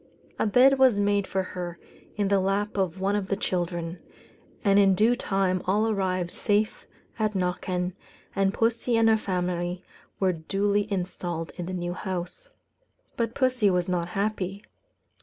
A bed was made for her in the lap of one of the children; and in due time all arrived safe at Knockan, and pussy and her family were duly installed in the new house. But pussy was not happy.